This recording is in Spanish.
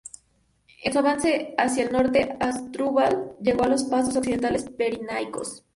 En su avance hacia el Norte Asdrúbal llegó a los pasos occidentales pirenaicos.